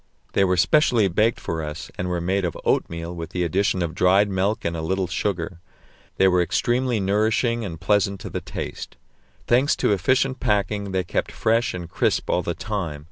They were specially baked for us, and were made of oatmeal with the addition of dried milk and a little sugar; they were extremely nourishing and pleasant to the taste. Thanks to efficient packing, they kept fresh and crisp all the time.